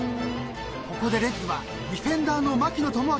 ［ここでレッズは］